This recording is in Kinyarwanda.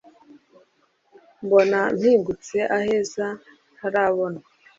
mbona mpingutse aheza ntarabona